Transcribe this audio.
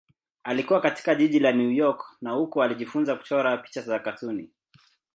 Alikua katika jiji la New York na huko alijifunza kuchora picha za katuni.